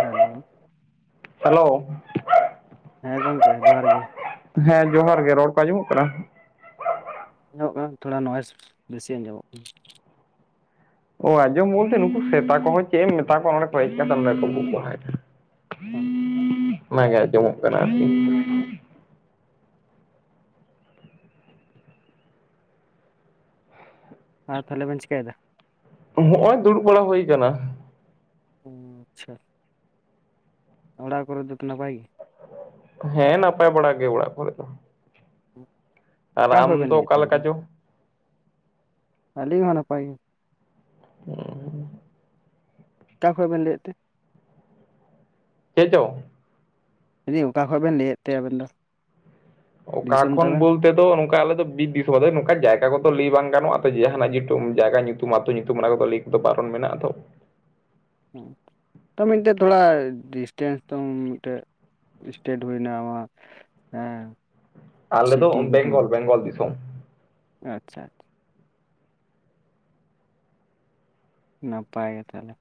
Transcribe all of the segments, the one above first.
Hello hello ᱦᱮᱸ ᱜᱚᱝᱠᱮ ᱡᱚᱦᱟᱨ ᱜᱮ ᱦᱮᱸ ᱡᱚᱦᱟᱨ ᱜᱮ ᱨᱚᱲ ᱠᱚ ᱟᱸᱡᱚᱢᱚᱜ ᱠᱟᱱᱟ? ᱟᱡᱚᱢᱚᱜ ᱠᱟᱱᱟ ᱛᱷᱚᱲᱟ ᱱᱚᱭᱮᱥ ᱵᱮᱥᱤ ᱟᱸᱡᱚᱢᱚᱜ ᱠᱟᱱᱟ ᱚ ᱟᱸᱡᱚᱢ ᱵᱚᱞᱛᱮ ᱱᱩᱠᱩ ᱥᱮᱛᱟ ᱠᱚᱦᱚᱸ ᱪᱮᱫ ᱮᱢ ᱢᱮᱛᱟ ᱠᱚᱣᱟ ᱱᱚᱸᱰᱮ ᱠᱚ ᱦᱮᱡ ᱠᱚᱛᱮ ᱱᱚᱸᱰᱮ ᱠᱚ ᱵᱷᱩᱜ ᱵᱟᱲᱟᱭᱟᱮᱫᱼᱟ ᱠᱟᱱᱟ ᱚᱱᱟᱜᱮ ᱟᱸᱡᱚᱢᱚᱜ ᱠᱟᱱᱟ ᱟᱨᱠᱤ ᱟᱨ ᱛᱟᱦᱚᱞᱮ ᱵᱮᱱ ᱪᱮᱠᱟᱹᱭᱮᱫᱟ? ᱦᱚᱜ-ᱚᱭ ᱫᱩᱲᱩᱵ ᱵᱟᱲᱟ ᱦᱩᱭ ᱠᱟᱱᱟ ᱚ ᱟᱪᱪᱷᱟ ᱚᱲᱟᱜ ᱠᱚᱨᱮ ᱫᱚᱯᱮ ᱱᱟᱯᱟᱭ ᱜᱮᱭᱟ? ᱦᱮᱸ ᱱᱟᱯᱟᱭ ᱵᱟᱲᱟ ᱜᱮ ᱚᱲᱟᱜ ᱠᱚᱨᱮ ᱫᱚ ᱟᱨ ᱚᱠᱟ ᱠᱷᱚᱡ ᱟᱢ ᱵᱮᱱ ᱫᱚ ᱞᱟᱹᱭᱮᱫ ᱚᱠᱟ ᱛᱮ ᱞᱮᱠᱟ ᱟᱵᱤᱱ ᱫᱚ? ᱪᱚ? ᱟᱞᱤᱧ ᱦᱚᱸ ᱱᱟᱯᱟᱭ ᱜᱮ ᱚᱻ ᱚᱠᱟ ᱠᱷᱚᱡ ᱵᱮᱱ ᱞᱟᱹᱭᱮᱫ ᱛᱮ? ᱪᱮᱫ ᱪᱚᱝ? ᱞᱟᱭᱹ ᱫᱟᱹᱧ ᱚᱠᱟ ᱠᱷᱚᱡ ᱵᱮᱱ ᱞᱟᱹᱭᱮᱫ ᱛᱮ ᱟᱵᱮᱱ ᱫᱚ? ᱚᱠᱟ ᱫᱤᱥᱚᱢ ᱠᱷᱚᱱ ᱛᱟᱵᱮᱱ ᱵᱳᱞᱼᱼ ᱼᱼᱛᱮ ᱫᱚ ᱱᱚᱝᱠᱟ ᱟᱞᱮ ᱫᱚ ᱵᱤᱨ ᱫᱤᱥᱚᱢ ᱟᱫᱚ ᱱᱚᱝᱠᱟ ᱡᱟᱭᱜᱟ ᱠᱚᱫᱚ ᱞᱟᱹᱭ ᱵᱟᱝ ᱜᱟᱱᱚᱜᱼᱟ ᱟᱛᱚ ᱡᱟᱦᱟᱱᱟᱜ ᱡᱮᱦᱛᱩ ᱡᱟᱭᱜᱟ ᱧᱩᱛᱩᱢ ᱟᱛᱳ ᱧᱩᱛᱩᱢ ᱚᱱᱟ ᱠᱚᱫᱚ ᱞᱟᱹᱭ ᱫᱚ ᱵᱟᱨᱚᱱ ᱢᱮᱱᱟᱜᱼᱟ ᱛᱚ ᱛᱚ ᱢᱤᱫᱴᱮᱡ ᱛᱷᱚᱲᱟ ᱰᱤᱥᱴᱮᱱᱥ ᱫᱚ ᱢᱤᱫᱴᱮᱡ ᱥᱴᱮᱴ ᱦᱩᱭᱱᱟ ᱟᱢᱟᱜ ᱦᱮᱸ ᱟᱞᱮ ᱫᱚ ᱥᱤᱴᱤ ᱜᱮᱛᱚᱢ ᱵᱮᱝᱜᱚᱞ ᱞᱟᱹᱭ ᱠᱮᱫ ᱵᱮᱝᱜᱚᱞ ᱫᱤᱥᱚᱢ ᱟᱪᱪᱷᱟ ᱟᱪᱪᱷᱟ ᱱᱟᱯᱟᱭ ᱜᱮ ᱛᱟᱦᱚᱞᱮ,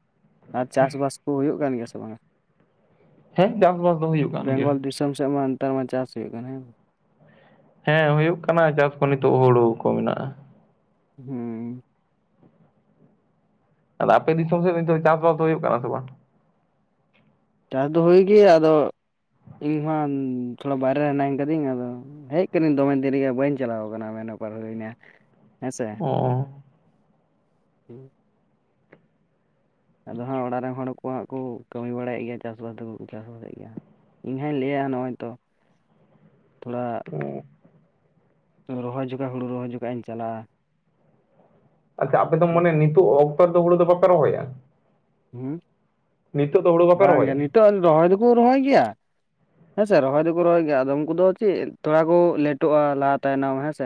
ᱟᱨ ᱪᱟᱥᱵᱟᱥ ᱠᱚ ᱦᱩᱭᱩᱜ ᱠᱟᱱ ᱜᱮᱭᱟ ᱥᱮ ᱵᱟᱝ-ᱟ? ᱦᱮᱸ ᱪᱟᱥᱵᱟᱥ ᱫᱚ ᱦᱩᱭᱩᱜ ᱠᱟᱱ ᱜᱮᱭᱟ ᱵᱮᱝᱜᱚᱞ ᱫᱤᱥᱚᱢ ᱥᱮᱫ ᱢᱟ ᱱᱮᱛᱟᱨ ᱢᱟ ᱪᱟᱥ ᱦᱩᱭᱩᱜ ᱠᱟᱱᱟ ᱦᱮᱸ ᱵᱟᱝ? ᱦᱮᱸ ᱦᱩᱭᱩᱜ ᱠᱟᱱᱟ ᱪᱟᱥ ᱠᱚ ᱱᱤᱛᱚᱜ ᱦᱩᱲᱩ ᱠᱚ ᱢᱮᱱᱟᱜᱼᱟ ᱦᱩᱸ ᱟᱫᱚ ᱟᱯᱮ ᱫᱤᱥᱚᱢ ᱥᱮᱫ ᱱᱤᱛᱚᱜ ᱫᱚ ᱪᱟᱥᱵᱟᱥ ᱫᱚ ᱦᱩᱭᱩᱜ ᱠᱟᱱᱟ ᱥᱮ ᱵᱟᱝ? ᱪᱟᱥ ᱫᱚ ᱦᱩᱭ ᱜᱮ ᱟᱫᱚ ᱤᱧ ᱢᱟ ᱛᱷᱚᱲᱟ ᱵᱟᱭᱨᱮ ᱨᱮ ᱦᱮᱱᱟᱹᱧ ᱠᱟᱹᱫᱤᱧ ᱟᱫᱚ ᱦᱮᱡ ᱠᱟᱹᱱᱟᱹᱧ ᱫᱚᱢᱮ ᱫᱤᱱ ᱨᱮᱜᱮ ᱵᱟᱹᱧ ᱪᱟᱞᱟᱣ ᱠᱟᱱᱟ ᱢᱮᱱ ᱵᱮᱯᱟᱨ ᱦᱩᱭᱱᱟ ᱦᱮᱸᱥᱮ ᱚ ᱟᱫᱚ ᱦᱟᱸᱜ ᱚᱲᱟᱜ ᱨᱮᱱ ᱦᱚᱲ ᱠᱚ ᱦᱟᱸᱜ ᱠᱚ ᱠᱟᱹᱢᱤ ᱵᱟᱲᱟᱭᱮᱫ ᱜᱮᱭᱟ ᱪᱟᱥᱵᱟᱥ ᱫᱚᱠᱚ ᱪᱟᱥᱵᱟᱥᱮᱫ ᱜᱮᱭᱟ ᱦᱟᱸᱜ ᱤᱧᱦᱚᱧ ᱞᱟᱹᱭᱟ ᱱᱚᱜᱼᱚᱭ ᱛᱚ ᱛᱷᱚᱲᱟ ᱚ ᱨᱚᱦᱚᱭ ᱡᱚᱠᱷᱟᱜ ᱦᱩᱲᱩ ᱨᱚᱦᱚᱭ ᱡᱚᱠᱷᱮᱡ ᱤᱧ ᱪᱟᱞᱟᱜᱼᱟ ᱟᱪᱪᱷᱟ ᱟᱯᱮ ᱫᱚ ᱢᱟᱱᱮ ᱱᱤᱛᱚᱜ ᱚᱠᱛᱚ ᱨᱮ ᱫᱚ ᱦᱩᱲᱩ ᱫᱚ ᱵᱟᱯᱮ ᱨᱚᱦᱚᱭᱟ? ᱦᱩᱸ ᱱᱤᱛᱚᱜ ᱫᱚ ᱦᱳᱲᱳ ᱵᱟᱝ ᱜᱮ ᱱᱤᱛᱚᱜ ᱟᱫᱚ ᱨᱚᱦᱚᱭ ᱫᱚᱠᱚ ᱨᱚᱦᱚᱭ ᱜᱮᱭᱟ ᱦᱮᱸᱥᱮ ᱨᱚᱦᱚᱭ ᱫᱚᱠᱚ ᱨᱚᱦᱚᱭ ᱜᱮᱭᱟ ᱟᱫᱚ ᱩᱱᱠᱩ ᱫᱚ ᱪᱮᱫ ᱛᱷᱚᱲᱟ ᱠᱚ ᱞᱮᱴᱚᱜᱼᱟ ᱞᱟᱦᱟ ᱛᱟᱭᱱᱚᱢ ᱦᱮᱸᱥᱮ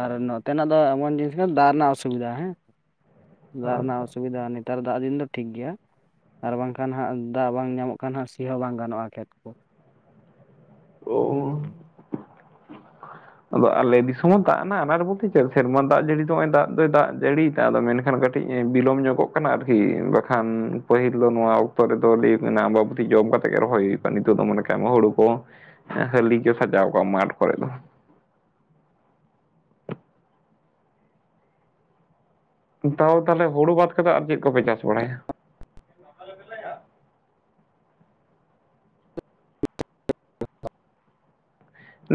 ᱟᱨ ᱱᱚᱛᱮᱱᱟᱜ ᱫᱚ ᱮᱢᱚᱱ ᱡᱤᱱᱤᱥ ᱠᱟᱱᱟ ᱫᱟᱜ ᱨᱮᱱᱟᱜ ᱚᱥᱩᱵᱤᱫᱟ ᱦᱮᱸ ᱫᱟᱜ ᱨᱮᱱᱟᱜ ᱟᱪᱪᱷᱟ ᱚᱥᱩᱵᱼᱼ ᱥᱩᱵᱤᱫᱟ ᱱᱮᱛᱟᱨ ᱫᱟᱜ ᱫᱤᱱ ᱫᱚ ᱴᱷᱤᱠ ᱜᱮᱭᱟ ᱟᱨ ᱵᱟᱝᱠᱷᱟᱱ ᱦᱟᱸᱜ ᱫᱟᱜ ᱵᱟᱝ ᱧᱟᱢᱚᱜ ᱠᱷᱟᱱ ᱦᱟᱸᱜ ᱥᱤ ᱦᱚᱸ ᱵᱟᱝ ᱜᱟᱱᱚᱜᱼᱟ ᱠᱷᱮᱛ ᱠᱚ ᱦᱮᱸᱥᱮ᱾ ᱳᱻ ᱟᱫᱚ ᱟᱞᱮ ᱫᱤᱥᱚᱢ ᱦᱚᱸ ᱫᱟᱜ ᱨᱮᱱᱟ ᱚᱱᱟᱴ ᱵᱚᱞᱛᱮ ᱪᱮᱫ ᱥᱮᱨᱢᱟ ᱫᱟᱜ ᱡᱟᱹᱲᱤ ᱫᱚ ᱱᱚᱜᱼᱚᱭ ᱫᱟᱜ ᱫᱚᱭ ᱫᱟᱜ ᱡᱟᱹᱲᱤᱭ ᱫᱟ ᱟᱫᱚ ᱢᱮᱱᱠᱷᱟᱱ ᱠᱟᱹᱴᱤᱡ ᱵᱤᱞᱚᱢ ᱧᱚᱜᱚᱜ ᱠᱟᱱᱟ ᱟᱨᱠᱤ ᱵᱟᱠᱷᱟᱱ ᱯᱟᱹᱦᱤᱞ ᱫᱚ ᱱᱚᱣᱟ ᱚᱠᱛᱚ ᱨᱮᱫᱚ ᱞᱟᱹᱭ ᱢᱮᱱᱟ ᱟᱢᱵᱟᱵᱩᱛᱤ ᱡᱚᱢ ᱠᱟᱛᱮ ᱛᱮᱜᱮ ᱨᱚᱦᱚᱭ ᱦᱩᱭᱩᱜᱼᱟ ᱱᱤᱛᱚᱜ ᱫᱚ ᱢᱟᱱᱮ ᱠᱟᱜ ᱢᱮ ᱦᱩᱲᱩ ᱠᱚ ᱦᱟᱹᱞᱤ ᱠᱚ ᱥᱟᱡᱟᱣ ᱠᱚᱜᱼᱟ ᱢᱟᱴ ᱠᱚᱨᱮ ᱫᱚ ᱛᱟᱣ ᱛᱟᱦᱚᱞᱮ ᱦᱩᱲᱩ ᱵᱟᱫ ᱠᱟᱛᱮᱫ ᱟᱨ ᱪᱮᱫ ᱠᱚᱯᱮ ᱪᱟᱥ ᱵᱟᱲᱟᱭᱟ ᱟᱞᱮ ᱫᱮᱞᱟᱭᱟ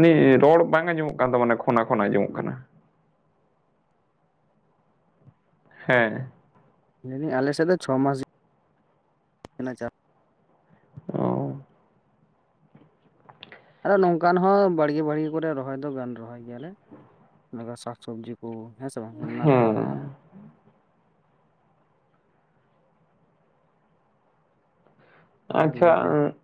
ᱱᱤ ᱨᱚᱲ ᱵᱟᱝ ᱟᱸᱡᱚᱢᱚᱜ ᱠᱟᱱ ᱛᱟᱵᱮᱱᱟ ᱠᱷᱚᱱᱟ ᱠᱷᱚᱱᱟ ᱟᱸᱡᱚᱢᱚᱜ ᱠᱟᱱᱟ ᱦᱮᱸ ᱢᱮᱱᱫᱟᱹᱧ ᱟᱞᱮ ᱥᱮᱫ ᱫᱚ ᱪᱷᱚ ᱢᱟᱥ ᱚ ᱟᱫᱚ ᱱᱚᱝᱠᱟᱱ ᱦᱚᱸ ᱵᱟᱲᱜᱮ ᱵᱟᱲᱜᱮ ᱠᱚᱨᱮ ᱨᱚᱦᱚᱭ ᱫᱚ ᱜᱟᱱ ᱨᱚᱦᱚᱭ ᱜᱮᱭᱟᱞᱮ ᱱᱚᱠᱟ ᱥᱟᱠ ᱥᱚᱵᱽᱡᱤ ᱠᱚ ᱦᱮᱸ ᱥᱮ ᱵᱟᱝ ᱱᱟᱱᱟ ᱨᱚᱠᱚᱢ ᱦᱮᱸ ᱟᱨ ᱟᱪᱪᱷᱟ ᱞᱟᱹᱭ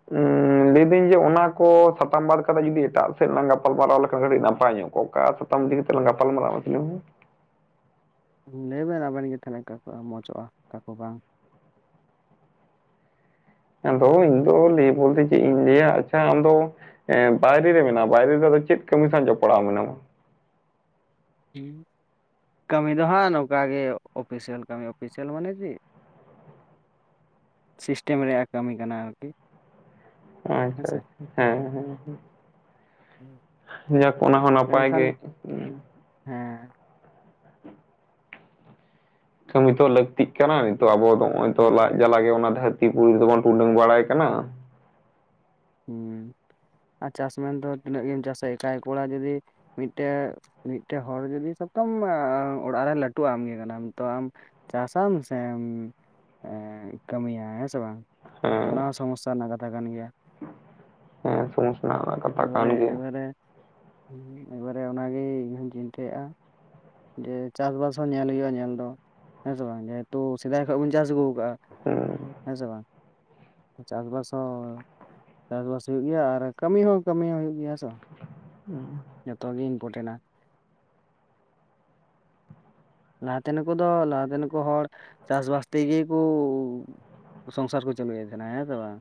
[unintelligible] ᱩᱸ ᱞᱟᱹᱭᱫᱟᱹᱧ ᱡᱮ ᱚᱱᱟ ᱠᱚ ᱥᱟᱛᱟᱢ ᱵᱟᱫ ᱠᱟᱛᱮ ᱡᱩᱫᱤ ᱮᱴᱟᱜ ᱥᱮᱫ ᱞᱟᱝ ᱜᱟᱯᱟᱞᱢᱟᱨᱟᱣ ᱞᱮᱠᱷᱟᱱ ᱠᱟᱹᱴᱤᱡ ᱱᱟᱯᱟᱭ ᱧᱚᱜ ᱠᱚᱜ ᱠᱟ ᱥᱟᱛᱟᱢ ᱤᱫᱤ ᱠᱟᱛᱮ ᱞᱟᱝ ᱜᱟᱯᱟᱞᱢᱟᱨᱟᱜ-ᱟ ᱢᱟᱥᱮ ᱞᱟᱹᱭ ᱵᱤᱱ ᱞᱟᱹᱭᱵᱮᱱ ᱟᱵᱮᱱ ᱜᱮ ᱛᱟᱦᱮᱞᱮ ᱠᱚ ᱢᱚᱡᱚᱜᱼᱟ ᱚᱠᱟ ᱠᱚ ᱵᱟᱝ ᱟᱫᱚ ᱤᱧ ᱫᱚ ᱞᱟᱹᱭ ᱵᱚᱞᱛᱮ ᱪᱮᱫ ᱤᱧ ᱞᱟᱹᱭᱟ ᱟᱪᱪᱷᱟ ᱟᱢᱫᱚ ᱮᱸ ᱵᱟᱭᱨᱮ ᱨᱮ ᱢᱮᱱᱟᱢᱟ ᱵᱟᱭᱨᱮ ᱨᱮᱫᱚ ᱪᱮᱫ ᱠᱟᱹᱢᱤ ᱥᱟᱶ ᱡᱚᱯᱲᱟᱣ ᱢᱮᱱᱟᱢᱟ ᱦᱮᱸ ᱠᱟᱹᱢᱤ ᱫᱚ ᱦᱟᱸᱜ ᱱᱚᱝᱠᱟ ᱜᱮ ᱚᱯᱷᱤᱥᱤᱭᱟᱞ ᱠᱟᱹᱢᱤ ᱚᱯᱷᱤᱥᱤᱭᱟᱞ ᱢᱟᱱᱮ ᱪᱮᱫ ᱥᱤᱥᱴᱮᱢ ᱨᱮᱭᱟᱜ ᱠᱟᱹᱢᱤ ᱠᱟᱱᱟ ᱟᱨᱠᱤ ᱟᱪᱪᱷᱟ ᱦᱮᱸᱥᱮ ᱟᱪᱪᱷᱟ ᱦᱮᱸ ᱦᱮᱸ ᱦᱮᱸ ᱡᱟᱠ ᱚᱱᱟ ᱦᱚᱸ ᱱᱟᱯᱟᱭ ᱢᱮᱱᱠᱷᱟᱱ ᱜᱮ ᱦᱮᱸ ᱠᱟᱹᱢᱤ ᱛᱚ ᱞᱟᱹᱠᱛᱤᱜ ᱠᱟᱱᱟ ᱱᱤᱛᱚᱜ ᱟᱵᱚ ᱫᱚ ᱱᱚᱜᱼᱚᱭ ᱛᱚ ᱞᱟᱡ ᱞᱟᱹᱠᱛᱤ ᱡᱟᱞᱟ ᱜᱮ ᱚᱱᱟ ᱫᱷᱟᱹᱨᱛ ᱛᱤ ᱯᱩᱨᱤ ᱨᱮ ᱫᱚᱵᱚᱱ ᱴᱩᱰᱟᱹᱝ ᱵᱟᱲᱟᱭ ᱠᱟᱱᱟ ᱦᱩᱸ ᱟᱨ ᱪᱟᱥ ᱢᱮᱱ ᱫᱚ ᱛᱤᱱᱟᱹᱜ ᱜᱮᱢ ᱪᱟᱥᱟ ᱮᱠᱟᱭ ᱠᱚᱲᱟ ᱡᱩᱫᱤ ᱢᱤᱫᱴᱮ ᱢᱤᱫᱴᱮ ᱦᱚᱲ ᱡᱚᱫᱤ ᱥᱟᱵᱠᱟᱢ ᱚᱲᱟᱜ ᱨᱮ ᱞᱟᱹᱴᱩ ᱟᱢ ᱜᱮ ᱠᱟᱱᱟᱢ ᱛᱚ ᱟᱢ ᱪᱟᱥᱟᱢ ᱥᱮᱢ ᱮᱸ ᱠᱟᱹᱢᱤᱭᱟ ᱦᱮᱸ ᱥᱮ ᱵᱟᱝ ᱛᱚ ᱚᱱᱟ ᱦᱮᱸ ᱦᱚᱸ ᱥᱚᱢᱚᱥᱥᱟ ᱨᱮᱱᱟᱜ ᱠᱟᱛᱷᱟ ᱠᱟᱱ ᱜᱮᱭᱟ ᱦᱮᱸ ᱥᱚᱢᱚᱥᱥᱟ ᱟ ᱮᱵᱟᱨᱮ ᱮᱵᱟᱨᱮ ᱮᱵᱟᱨᱮ ᱚᱱᱟᱜᱮ ᱤᱧᱦᱚᱸᱧ ᱪᱤᱱᱛᱟᱹᱭᱮᱫᱼᱟ ᱡᱮ ᱪᱟᱥᱵᱟᱥ ᱦᱚᱸ ᱧᱮᱞ ᱦᱩᱭᱩᱜᱼᱟ ᱧᱮᱞ ᱫᱚ ᱦᱮᱸᱥᱮ ᱵᱟᱝ ᱡᱮᱦᱮᱛᱩ ᱥᱮᱫᱟᱭ ᱠᱷᱚᱱ ᱵᱚᱱ ᱪᱟᱥ ᱟᱜᱩ ᱠᱟᱜ-ᱟ ᱦᱩᱸ ᱦᱮᱸ ᱥᱮ ᱵᱟᱝ ᱪᱟᱥᱵᱟᱥ ᱦᱚᱸ ᱪᱟᱥᱵᱟᱥ ᱦᱩᱭᱩᱜ ᱜᱮᱭᱟ ᱟᱨ ᱠᱟᱹᱢᱤ ᱦᱚᱸ ᱠᱟᱹᱢᱤ ᱦᱚᱸ ᱦᱩᱭᱩᱜ ᱜᱮᱭᱟ ᱦᱮᱸᱥᱮ ᱵᱟᱸ ᱦᱮᱸ ᱡᱚᱛᱚ ᱜᱮ ᱤᱱᱯᱚᱨᱴᱮᱱᱴᱼᱟ ᱞᱟᱦᱟᱛᱮ ᱱᱠᱩ ᱫᱚ ᱞᱟᱦᱟᱛᱮᱱ ᱠᱚ ᱦᱚᱲ ᱪᱟᱥᱵᱟᱥ ᱛᱮᱜᱮ ᱠᱩ ᱥᱚᱝᱥᱟᱨ ᱠᱚ ᱪᱟᱹᱞᱩᱭᱮᱫ ᱛᱟᱦᱮᱱᱟ ᱦᱮᱸ ᱥᱮ ᱵᱟᱝ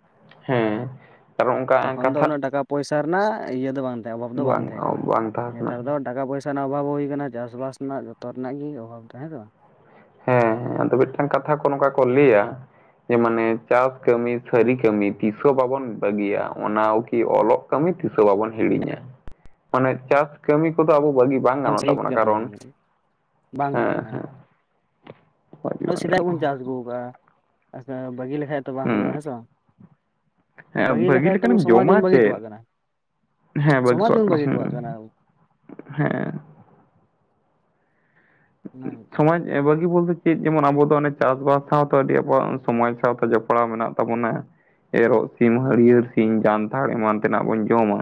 ᱦᱮᱸ ᱠᱟᱨᱚᱱ ᱚᱱᱠᱟ ᱛᱚᱠᱷᱚᱱ ᱫᱚ ᱠᱟᱛᱷᱟ ᱩᱱᱟᱹᱜ ᱴᱟᱠᱟ ᱯᱚᱭᱥᱟ ᱨᱮᱱᱟᱜ ᱤᱭᱟᱹ ᱫᱚ ᱵᱟᱝ ᱚᱵᱷᱟᱵ ᱫᱚ ᱵᱟᱝ ᱛᱟᱦᱮᱸ ᱚ ᱠᱟᱱᱟ ᱵᱟᱝ ᱛᱟᱦᱮᱸ ᱠᱟᱱᱟ ᱱᱮᱛᱟᱨ ᱫᱚ ᱴᱟᱠᱟ ᱯᱚᱭᱥᱟ ᱨᱮᱱᱟᱜ ᱚᱵᱷᱟᱵᱽ ᱦᱚᱸ ᱦᱩᱭ ᱟᱠᱟᱱᱟ ᱪᱟᱥᱵᱟᱥ ᱨᱮᱱᱟᱜ ᱡᱚᱛᱚ ᱨᱮᱱᱟᱜ ᱜᱮ ᱚᱵᱷᱟᱵᱽ ᱫᱚ ᱦᱮᱸ ᱥᱮ ᱵᱟᱝ ᱦᱮᱸ ᱦᱮᱸ ᱟᱫᱚ ᱢᱤᱫᱴᱟᱝ ᱠᱟᱛᱷᱟ ᱠᱚ ᱱᱚᱝᱠᱟ ᱠᱚ ᱞᱟᱹᱭᱟ ᱡᱮ ᱢᱟᱱᱮ ᱪᱟᱥ ᱠᱟᱹᱢᱤ ᱥᱟᱹᱨᱤ ᱠᱟᱹᱢᱤ ᱛᱤᱥ ᱦᱚᱸ ᱵᱟᱵᱚᱱ ᱵᱟᱹᱜᱤᱭᱟ ᱚᱱᱟ ᱩᱠᱤ ᱚᱞᱚᱜ ᱠᱟᱹᱢᱤ ᱛᱤᱥᱚ ᱵᱟᱵᱚᱱ ᱦᱤᱲᱤᱧᱟ ᱢᱟᱱᱮ ᱪᱟᱥ ᱠᱟᱹᱢᱤ ᱠᱚᱫᱚ ᱟᱵᱚ ᱵᱟᱹᱜᱤ ᱵᱟᱝ ᱮᱠᱫᱚᱢ ᱜᱟᱱᱚᱜ ᱥᱟᱹᱦᱤ ᱛᱟᱵᱚᱱᱟ ᱠᱟᱛᱷᱟ ᱠᱟᱨᱚᱱ ᱠᱟᱱ ᱜᱮᱭᱟ ᱵᱟᱝ ᱦᱮᱸ ᱦᱮᱸ ᱵᱟᱹᱜᱤ ᱩᱱᱟᱹᱜ ᱵᱟᱝ ᱥᱮᱫᱟᱭ ᱜᱟᱱᱚᱜᱼᱟ ᱵᱚᱱ ᱪᱟᱥ ᱟᱹᱜᱩ ᱟᱠᱟᱜᱼᱟ ᱦᱮᱸ ᱥᱮ ᱵᱟᱹᱜᱤ ᱞᱮᱠᱷᱟᱡ ᱛᱚ ᱵᱟᱝ ᱦᱩᱭᱩᱜᱼᱟ ᱦᱩᱸ ᱦᱮᱸ ᱥᱮ ᱵᱟᱝ ᱦᱮᱸ ᱵᱟᱹᱜᱤ ᱵᱷᱟᱹᱜᱤ ᱞᱮᱠᱷᱟᱡ ᱫᱚ ᱟᱵᱚ ᱞᱮᱠᱟᱱᱮᱢ ᱥᱚᱢᱟᱡᱽ ᱡᱚᱢᱟ ᱵᱚᱱ ᱵᱟᱹᱜᱤ ᱪᱮᱫ? ᱦᱚᱴᱚᱣᱟᱜ ᱠᱟᱱᱟ ᱦᱮᱸ ᱵᱷᱟᱹᱜᱤ ᱥᱚᱢᱟᱡᱽ ᱵᱚᱱ ᱠᱚᱜᱠᱚ ᱵᱟᱹᱜᱤ ᱦᱩᱸ ᱦᱚᱴᱚᱣᱟᱜ ᱠᱟᱱᱟ [inaudible] ᱦᱮᱸ ᱮᱸ ᱚᱱᱟ ᱜᱮᱛᱚ ᱥᱚᱢᱚᱭ ᱵᱟᱹᱜᱤ ᱵᱚᱞᱛᱮ ᱪᱮᱫ ᱡᱮᱢᱚᱱ ᱟᱵᱚ ᱫᱚ ᱚᱱᱮ ᱪᱟᱥᱵᱟᱥ ᱥᱟᱶᱛᱮ ᱟᱹᱰᱤ ᱟᱵᱚᱣᱟᱜ ᱥᱚᱢᱚᱭ ᱥᱟᱶᱛᱮ ᱡᱚᱯᱲᱟᱣ ᱢᱮᱱᱟᱜ ᱛᱟᱵᱚᱱᱟ ᱮᱨᱚᱜ ᱥᱤᱢ ᱦᱟᱹᱨᱭᱟᱹᱲ ᱥᱤᱢ ᱡᱟᱱᱛᱷᱟᱲ ᱮᱢᱟᱱ ᱛᱮᱱᱟᱜ ᱵᱚᱱ ᱡᱚᱢᱟ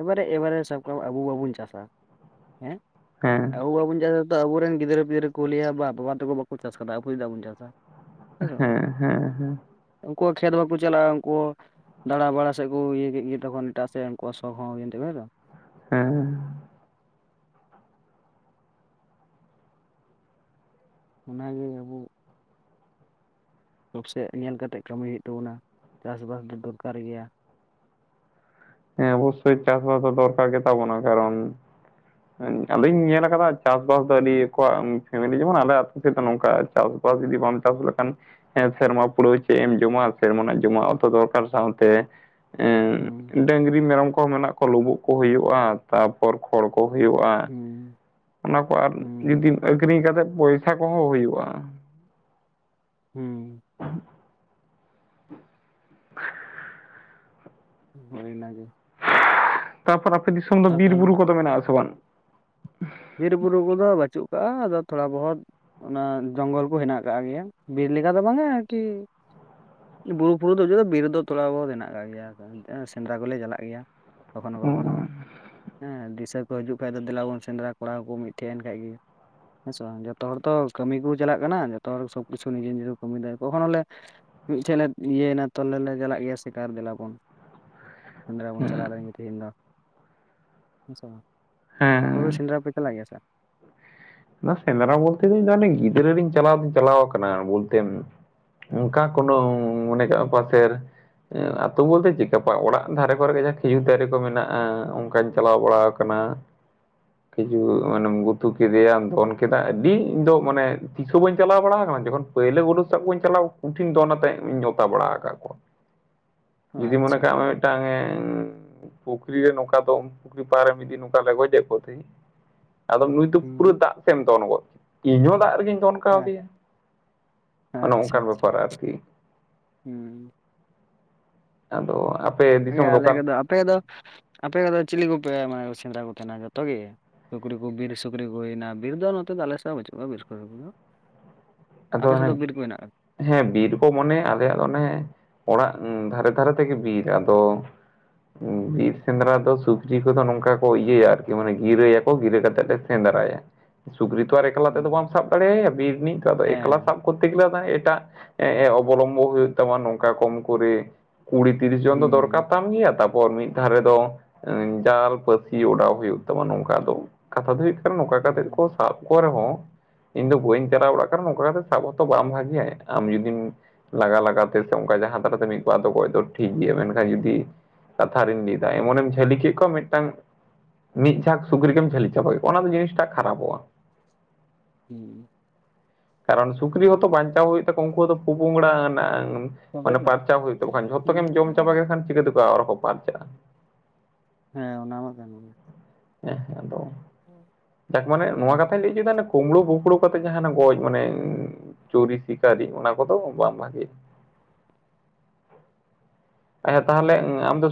ᱮᱵᱟᱨᱮ ᱮᱵᱟᱨᱮ ᱥᱟᱵ ᱠᱟᱜ ᱢᱮ ᱟᱵᱚ ᱵᱟᱵᱚᱱ ᱪᱟᱥᱟ ᱦᱮᱸ ᱟᱵᱚ ᱵᱟᱵᱚᱱ ᱪᱟᱥᱟ ᱛᱚ ᱟᱵᱚᱨᱮᱱ ᱜᱤᱫᱽᱨᱟᱹ ᱯᱤᱫᱽᱨᱟᱹ ᱠᱚ ᱞᱟᱹᱭᱟ ᱵᱟ ᱵᱟᱵᱟ ᱛᱟᱠᱚ ᱵᱟᱠᱚ ᱪᱟᱥ ᱟᱠᱟᱫᱟ ᱟᱵᱚ ᱪᱮᱫᱟᱜ ᱵᱚᱱ ᱪᱟᱥᱟ᱾ ᱦᱮᱸ ᱦᱮᱸ ᱦᱮᱸ ᱩᱱᱠᱩᱣᱟᱜ ᱠᱷᱮᱛ ᱵᱟᱠᱚ ᱪᱟᱞᱟᱜ-ᱟ ᱩᱱᱠᱩ ᱫᱟᱬᱟ ᱵᱟᱲᱟ ᱥᱮᱫ ᱠᱚ ᱤᱭᱟᱹ ᱠᱮᱫ ᱜᱮ ᱛᱚᱠᱷᱚᱱ ᱮᱴᱟᱜ ᱥᱮᱫ ᱩᱱᱠᱩ ᱥᱚᱠ ᱦᱚᱸ ᱦᱚᱭᱮᱱ ᱛᱚᱵᱮ ᱫᱚ ᱦᱮᱸ ᱚᱱᱟᱜᱮ ᱟᱵᱚ ᱥᱚᱠᱥᱮᱜ ᱧᱮᱞ ᱠᱟᱛᱮ ᱠᱟᱹᱢᱤ ᱦᱩᱭᱩᱜ ᱛᱟᱵᱚᱱᱟ ᱪᱟᱥ ᱵᱟᱥ ᱫᱚ ᱫᱚᱨᱠᱟᱨ ᱜᱮᱭᱟ ᱦᱮᱸ ᱚᱵᱚᱠᱚᱥᱮᱪ ᱪᱟᱥᱵᱟᱥ ᱫᱚ ᱫᱚᱨᱠᱟᱨ ᱜᱮ ᱛᱟᱵᱚᱱᱟ ᱠᱟᱨᱚᱱ ᱟᱫᱚᱧ ᱧᱮᱞ ᱟᱠᱟᱫᱟ ᱪᱟᱥᱵᱟᱥ ᱫᱚ ᱟᱹᱰᱤ ᱟᱠᱚᱣᱟᱜ ᱯᱷᱮᱢᱮᱞᱤ ᱡᱮᱢᱚᱱ ᱟᱞᱮ ᱥᱮᱫ ᱫᱚ ᱱᱚᱝᱠᱟ ᱪᱟᱥ ᱵᱟᱥ ᱡᱩᱫᱤ ᱵᱟᱢ ᱪᱟᱥ ᱞᱮᱠᱷᱟᱱ ᱦᱮᱸ ᱥᱮᱨᱢᱟ ᱯᱩᱨᱟᱹᱣ ᱪᱮᱫ ᱮᱢ ᱡᱚᱢᱟ ᱥᱮᱨᱢᱟ ᱨᱮᱱᱟᱜ ᱡᱚᱢᱟᱜ ᱚᱱᱛᱮ ᱚᱠᱟᱞᱮᱠᱟ ᱚᱱᱛᱮ ᱮᱸ ᱦᱩᱸ ᱰᱟᱝᱨᱤ ᱢᱮᱨᱚᱢ ᱠᱚ ᱢᱮᱱᱟᱜ ᱠᱚᱣᱟ ᱞᱩᱵᱩᱜ ᱠᱚ ᱦᱩᱭᱩᱜ-ᱟ ᱛᱟᱨᱯᱚᱨ ᱠᱷᱚᱲ ᱠᱚ ᱦᱩᱭᱩᱜ-ᱟ ᱦᱩᱸ [inaudible] ᱚᱱᱟ ᱠᱚ ᱟᱨ ᱦᱩᱸ ᱡᱩᱫᱤᱢ ᱟᱹᱠᱷᱨᱤᱧ ᱠᱟᱛᱮ ᱯᱚᱭᱥᱟ ᱠᱚᱦᱚᱸ ᱦᱩᱭᱩᱜ-ᱟ ᱦᱩᱸ ᱦᱳᱭ ᱚᱱᱟᱜᱮ ᱛᱟᱯᱚᱨ ᱟᱯᱮ ᱫᱤᱥᱚᱢ ᱫᱚ ᱟᱨ ᱵᱤᱨ ᱵᱩᱨᱩ ᱛᱟᱦᱚᱞᱮ ᱠᱚᱫᱚ ᱢᱮᱱᱟᱜ ᱟᱥᱮ ᱵᱟᱝ? ᱵᱤᱨᱵᱩᱨᱩ ᱠᱚᱫᱚ ᱵᱟᱹᱪᱩᱜ ᱠᱟᱜ-ᱟ ᱟᱫᱚ ᱛᱷᱚᱲᱟ ᱵᱚᱦᱚᱛ ᱚᱱᱟ ᱡᱚᱝᱜᱚᱞ ᱠᱚ ᱦᱮᱱᱟᱜ ᱟᱠᱟᱫ ᱜᱮᱭᱟ ᱵᱤᱨ ᱞᱮᱠᱟ ᱫᱚ ᱵᱟᱝᱟ ᱟᱨᱠᱤ ᱵᱩᱨᱩ ᱵᱩᱨᱩ ᱫᱚ ᱫᱚ ᱵᱤᱨ ᱫᱚ ᱛᱷᱚᱲᱟ ᱵᱚᱦᱩᱛ ᱦᱮᱱᱟᱜ ᱠᱟᱜ ᱜᱮᱭᱟ ᱥᱮᱸᱫᱽᱨᱟ ᱠᱚᱞᱮ ᱪᱟᱞᱟᱜ ᱜᱮᱭᱟ ᱠᱚᱠᱷᱚᱱᱳ ᱠᱚᱠᱷᱚᱱᱳ ᱦᱮᱸ ᱫᱤᱥᱟᱹ ᱠᱚ ᱦᱤᱡᱩᱜ ᱠᱷᱟᱱ ᱫᱚ ᱫᱮᱞᱟ ᱵᱚᱱ ᱥᱮᱸᱫᱽᱨᱟ ᱠᱚ ᱠᱚᱲᱟ ᱠᱚ ᱢᱤᱫ ᱴᱷᱮᱪ ᱮᱱ ᱠᱷᱟᱡ ᱜᱮ ᱦᱮᱸᱥᱮ ᱵᱟᱝ ᱡᱚᱛᱚ ᱦᱚᱲ ᱛᱚ ᱠᱟᱹᱢᱤ ᱠᱚ ᱪᱟᱞᱟᱜ ᱠᱟᱱᱟ ᱡᱚᱛᱚ ᱦᱚᱲ ᱥᱚᱵ ᱠᱤᱪᱷᱩ ᱱᱤᱡᱮ ᱱᱤᱡᱮ ᱠᱚ ᱠᱟᱹᱢᱤᱭ ᱫᱟᱭ ᱠᱚᱠᱷᱚᱱ ᱦᱚᱞᱮ ᱢᱤᱫᱴᱷᱮᱱ ᱞᱮ ᱤᱭᱟᱹᱭᱮᱱᱟ ᱛᱚ ᱟᱞᱮ ᱞᱮ ᱪᱟᱞᱟᱜ ᱜᱮᱭᱟ ᱥᱮᱠᱟᱨ ᱫᱮᱞᱟᱵᱚᱱ ᱥᱮᱸᱫᱽᱨᱟ ᱵᱚᱱ ᱦᱮᱸ ᱪᱟᱞᱟᱣ ᱞᱮᱱ ᱜᱮ ᱛᱤᱦᱤᱧ ᱫᱚ [inaudible] ᱦᱮᱸ ᱥᱮ ᱵᱟᱝ ᱟᱯᱮ ᱫᱚ ᱦᱮᱸ ᱥᱮᱸᱫᱽᱨᱟ ᱯᱮ ᱪᱟᱞᱟᱜ ᱜᱮᱭᱟ ᱥᱟᱨ ᱚᱱᱟ ᱥᱮᱸᱫᱽᱨᱟ ᱵᱚᱞᱛᱮ [unintelligible] ᱫᱚᱧᱟᱱᱮ ᱜᱤᱫᱽᱨᱟᱹ ᱨᱮᱧ ᱪᱟᱞᱟᱣ ᱫᱚᱧ ᱪᱟᱞᱟᱣ ᱟᱠᱟᱱᱟ ᱵᱚᱞᱛᱮ ᱚᱱᱠᱟ ᱠᱳᱱᱳ ᱢᱚᱱᱮ ᱠᱟᱜ-ᱟ ᱯᱟᱥᱮᱨ ᱟ ᱟᱹᱛᱩᱳ ᱵᱚᱞᱛᱮ ᱪᱤᱠᱟᱯᱟ ᱚᱲᱟᱜ ᱫᱷᱟᱨᱮ ᱠᱚᱨᱮ ᱠᱟᱡᱟᱠ ᱠᱷᱤᱡᱩᱨ ᱫᱟᱨᱮ ᱠᱚ ᱢᱮᱱᱟᱜ-ᱟ ᱚᱱᱠᱟᱧ ᱪᱟᱞᱟᱣ ᱵᱟᱲᱟ ᱟᱠᱟᱱᱟ ᱠᱤᱪᱷᱩ ᱦᱩᱸ ᱢᱟᱱᱮᱢ ᱜᱩᱛᱩᱠᱤᱫᱤᱭᱟᱢ ᱵᱚᱱ ᱠᱮᱫᱟ ᱟᱹᱰᱤ ᱤᱧ ᱫᱚ ᱢᱟᱱᱮ ᱛᱤᱥ ᱦᱚᱸ ᱵᱟᱹᱧ ᱪᱟᱞᱟᱣ ᱵᱟᱲᱟ ᱟᱠᱟᱱᱟ ᱡᱚᱠᱷᱚᱱ ᱯᱳᱭᱞᱳ ᱵᱩᱨᱩ ᱥᱟᱵ ᱵᱟᱹᱧ ᱪᱟᱞᱟᱣ ᱩᱱᱴᱷᱤᱱ ᱫᱚ ᱚᱱᱟᱛᱮᱧ ᱱᱮᱶᱛᱟ ᱵᱟᱲᱟ ᱟᱠᱟᱫ ᱠᱚᱣᱟ [inaudible] ᱡᱩᱫᱤ ᱢᱚᱱᱮ ᱟᱪᱪᱷᱟ ᱠᱟᱜᱢᱮ ᱢᱤᱫᱴᱟᱝ ᱮ ᱯᱩᱠᱷᱨᱤ ᱨᱮ ᱱᱚᱝᱠᱟ ᱫᱚ ᱯᱩᱠᱷᱨᱤ ᱯᱟᱦᱟᱨᱮ ᱢᱤᱫ ᱫᱤᱱ ᱱᱚᱝᱠᱟ ᱞᱮ ᱜᱚᱡᱮᱫ ᱠᱚ ᱛᱟᱦᱮᱸ ᱟᱫᱚ ᱱᱩᱭ ᱫᱚ ᱯᱩᱨᱟᱹ ᱦᱩᱸ ᱫᱟᱜ ᱥᱮᱮᱢᱢ ᱛᱚᱚᱱ ᱜᱚᱫ ᱠ ᱤᱧᱦᱚᱸ ᱫᱟᱜ ᱨᱮᱜᱤᱧ ᱛᱚᱚᱱ ᱠᱟᱣ ᱟᱪᱪᱷᱟ ᱫᱤᱭᱟ [inaudible] ᱚᱱᱮᱚᱝᱠᱟᱱ ᱟᱪᱪᱷᱟ ᱵᱮᱯᱟᱨ ᱟᱨᱠᱤ ᱦᱩᱸ ᱟᱫᱚ ᱟᱯᱽ ᱦᱮᱸ ᱟᱞᱮ ᱠᱚᱫᱚ ᱟᱯᱮ ᱫᱚ ᱟᱯᱮ ᱠᱚᱫᱚ ᱪᱤᱞᱤ ᱠᱚᱯᱮ ᱢᱟᱱᱮ ᱥᱮᱸᱫᱽᱨᱟ ᱠᱚ ᱛᱟᱦᱮᱱᱟ ᱡᱚᱛᱚ ᱜᱮ? ᱥᱩᱠᱨᱤ ᱠᱚ ᱵᱤᱨ ᱥᱩᱠᱨᱤ ᱠᱚ ᱦᱩᱭᱱᱟ ᱵᱤᱨ ᱫᱚ ᱱᱚᱛᱮ ᱫᱚ ᱟᱞᱮ ᱥᱮᱪ ᱦᱚᱸ ᱵᱟᱹᱪᱩᱜ ᱠᱚᱣᱟ ᱵᱤᱨ ᱠᱚ ᱥᱩᱠᱨᱤ ᱫᱚᱱᱷᱟᱜ᱾ ᱟᱫᱚ ᱚᱱᱮ ᱦᱮᱸ ᱵᱤᱨ ᱠᱚ ᱢᱚᱱᱮ ᱟᱞᱮᱭᱟᱜ ᱫᱚ ᱚᱱᱮ ᱚᱲᱟᱜ ᱫᱷᱟᱨᱮ ᱫᱷᱟᱨᱮ ᱛᱮᱜᱮ ᱵᱤᱨ ᱟᱫᱚ ᱵᱤᱨ ᱦᱩᱸ ᱥᱮᱸᱫᱽᱨᱟ ᱫᱚ ᱥᱩᱠ ᱥᱩᱠᱨᱤ ᱠᱚᱫᱚ ᱱᱚᱝᱠᱟ ᱠᱚ ᱤᱭᱟᱹᱭᱟ ᱟᱨᱠᱤ ᱢᱟᱱᱮ ᱜᱤᱨᱟᱹᱭᱟᱠᱚ ᱜᱤᱨᱟᱹ ᱠᱟᱛᱮᱫ ᱞᱮ ᱥᱮᱸᱫᱽᱨᱟᱭᱟ ᱥᱩᱠᱨᱤ ᱛᱚ ᱟᱨ ᱮᱠᱞᱟ ᱦᱩᱸ ᱛᱮᱫᱚ ᱵᱟᱢ ᱥᱟᱵ ᱫᱟᱲᱮᱭᱟᱭᱟ ᱵᱤᱨ ᱨᱤᱱᱤᱡ ᱟᱫᱚ ᱮᱠᱞᱟ ᱦᱮᱸ ᱥᱟᱵ ᱠᱚᱨᱛᱮ ᱜᱮᱞᱮ ᱟᱫᱚ ᱮᱴᱟᱜ ᱮ ᱮ ᱚᱵᱚᱞᱚᱢᱵᱚ ᱜᱮ ᱦᱩᱭᱩᱜ ᱛᱟᱢᱟ ᱱᱚᱝᱠᱟ ᱠᱚᱢ ᱠᱚᱨᱮ ᱠᱩᱲᱤ ᱛᱤᱨᱤᱥ ᱡᱚᱱ ᱫᱚ ᱦᱩᱸ ᱫᱚᱨᱠᱟᱨ ᱛᱟᱢ ᱜᱮᱭᱟ ᱛᱟᱯᱚᱨ ᱢᱤᱫ ᱫᱷᱟᱨᱮ ᱫᱚ ᱡᱟᱞ ᱯᱟᱹᱥᱤ ᱚᱰᱟᱣ ᱦᱩᱭᱩᱜ ᱛᱟᱢᱟ ᱱᱚᱝᱠᱟ ᱫᱚ ᱠᱟᱛᱷᱟ ᱫᱚ ᱦᱩᱭᱩᱜ ᱠᱟᱱᱟ ᱱᱚᱝᱠᱟ ᱠᱟᱛᱮᱫ ᱠᱚ ᱦᱩᱸ ᱥᱟᱵ ᱠᱚ ᱨᱮᱦᱚᱸ ᱤᱧ ᱫᱚ ᱵᱟᱹᱧ ᱪᱟᱞᱟᱣ ᱵᱟᱲᱟᱜ ᱱᱚᱝᱠᱟ ᱠᱟᱛᱮᱜ ᱥᱟᱵᱦᱚᱛᱚ ᱵᱟᱢ ᱵᱷᱟᱹᱜᱤᱭᱟ ᱟᱢ ᱡᱩᱫᱤᱢ ᱞᱟᱜᱟ ᱞᱟᱜᱟ ᱛᱮ ᱥᱮ ᱚᱱᱠᱟ ᱡᱟᱦᱟᱸ ᱫᱷᱟᱨᱟᱛᱮ ᱢᱤᱫ ᱵᱟᱨ ᱫᱚ ᱜᱚᱡ ᱫᱚ ᱴᱷᱤᱠ ᱜᱮᱭᱟ, ᱢᱮᱱᱠᱷᱟᱱ ᱡᱩᱫᱤ ᱠᱟᱛᱷᱟ ᱨᱤᱧ ᱞᱟᱹᱭᱫᱟ ᱮᱢᱚᱱᱮᱢ ᱡᱷᱟᱹᱞᱤ ᱠᱮᱫ ᱠᱚᱣᱟ ᱢᱤᱫᱴᱟᱝ ᱢᱤᱫ ᱡᱷᱟᱠ ᱥᱩᱠᱨᱤᱜᱮᱢ ᱡᱷᱟᱹᱞᱤ ᱪᱟᱵᱟᱠᱮᱫᱠᱳᱼᱟ, ᱚᱱᱟ ᱫᱚ ᱡᱤᱥᱴᱟ ᱠᱷᱟᱨᱟᱯᱚᱜᱼᱟ᱾ ᱦᱩᱸ ᱠᱟᱨᱚᱱ ᱥᱩᱠᱨᱤ ᱦᱚᱸᱛᱚ ᱵᱟᱧᱪᱟᱣ ᱦᱩᱭᱩᱜ ᱛᱟᱠᱚᱣᱟ ᱩᱱᱠᱩ ᱦᱚᱸ ᱫᱚ ᱯᱩᱯᱚᱝᱲᱟ ᱟᱱ ᱛᱚᱵᱮ ᱢᱟᱱᱮ ᱯᱟᱨᱪᱟ ᱦᱩᱭᱩᱜ ᱛᱟᱠᱚ ᱠᱷᱟᱱ ᱡᱷᱚᱛᱚ ᱞᱟᱥᱴᱤᱝ ᱜᱮᱢ ᱡᱚᱢ ᱜᱮᱥᱮ ᱪᱟᱵᱟ ᱠᱮᱫ ᱠᱷᱟᱱ ᱪᱤᱠᱟᱹᱛᱮ ᱟᱨᱠᱚ ᱯᱟᱨᱪᱟᱜᱼᱟ᱾ ᱦᱮᱸ ᱚᱱᱟ ᱢᱟ ᱠᱟᱱ ᱜᱮᱭᱟ᱾ ᱦᱮᱸ ᱦᱮᱸ ᱟᱫᱚ ᱡᱟᱠ ᱢᱟᱱᱮ ᱱᱚᱣᱟ ᱦᱩᱸ ᱠᱟᱛᱷᱟᱧ ᱞᱟᱹᱭ ᱦᱚᱪᱚᱭᱟ ᱠᱩᱢᱬᱩ ᱜᱩᱯᱬᱩ ᱠᱟᱛᱮ ᱡᱟᱦᱟᱸᱱᱟ ᱜᱚᱡ ᱢᱟᱱᱮ ᱪᱩᱨᱤ ᱥᱤᱠᱟᱹᱨᱤ ᱚᱱᱟ ᱠᱚᱫᱚ ᱵᱟᱝ ᱵᱷᱟᱜᱮᱭᱟ᱾ ᱟᱪᱪᱷᱟ ᱛᱟᱦᱚᱞᱮ ᱟᱢ ᱫᱚ